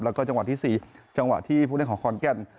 แล้วก็จังหวะที่๔จังหวะที่ผู้เล่นของขอนแก่น